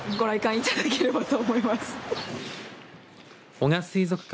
男鹿水族館